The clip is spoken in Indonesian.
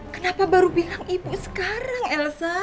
kenapa baru bilang ibu sekarang elsa